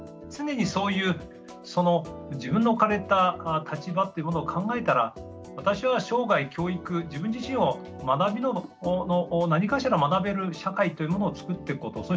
常にそういう自分の置かれた立場ってものを考えたら私は生涯教育自分自身を学びの何かしら学べる社会というものを作っていくこと。